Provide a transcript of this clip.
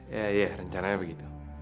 iya iya rencananya begitu